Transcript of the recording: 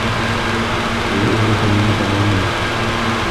ضيوفك ينتظرون.